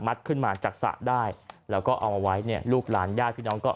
ขึ้นมาจากสระได้แล้วก็เอามาไว้เนี่ยลูกหลานญาติพี่น้องก็